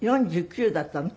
４９だったの？